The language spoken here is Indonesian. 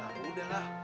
lah udah lah